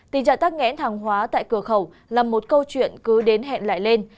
tình trạng tắc nghẽn hàng hóa tại cửa khẩu là một câu chuyện cứ đến hẹn lại lên